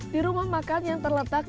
di rumah makan yang terletak